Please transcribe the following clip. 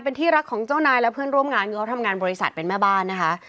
เป็นที่รักของเจ้านายและเพื่อนร่วมงานคือเขาทำงานบริษัทเป็นแม่บ้านนะคะ